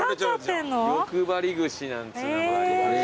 よくばり串なんつうのもあります。